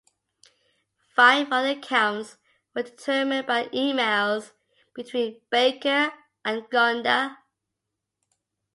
Five of the counts were determined by emails between Baker and Gonda.